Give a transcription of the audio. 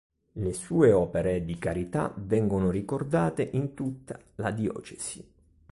Le sue opere di carità vengono ricordate in tutta la diocesi.